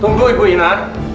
tunggu ibu ina